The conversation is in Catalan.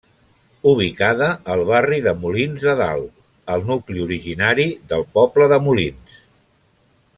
Ubicada al barri de Molins de Dalt, el nucli originari del poble de Molins.